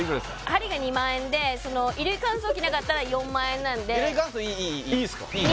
針が２００００円で衣類乾燥機なかったら４００００円なんでいいすか？